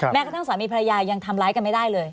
กระทั่งสามีภรรยายังทำร้ายกันไม่ได้เลย